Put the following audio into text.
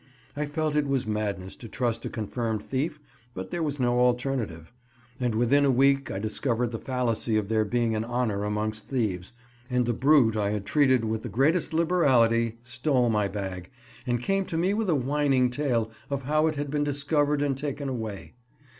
I felt it was madness to trust a confirmed thief, but there was no alternative; and within a week I discovered the fallacy of there being any honour amongst thieves, and the brute I had treated with the greatest liberality stole my bag, and came to me with a whining tale of how it had been discovered and taken away.